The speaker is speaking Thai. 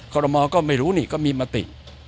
รมอลก็ไม่รู้นี่ก็มีมติ